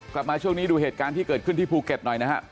กลับมาช่วงนี้ดูเหตุการณ์ที่เกิดขึ้นที่ภูเก็ตหน่อยนะฮะ